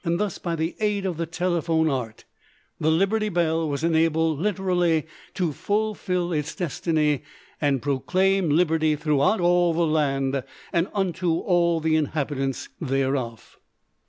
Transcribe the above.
Thus, by the aid of the telephone art, the Liberty Bell was enabled literally to fulfil its destiny and "Proclaim liberty throughout all the land, unto all the inhabitants thereof."